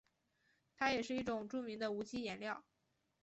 它也是一种著名的无机颜料。